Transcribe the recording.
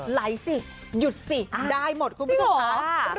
ไหลซิหยุดซิได้หมดคุณผู้ชมภาพเริ่มค่ะจริงหรอ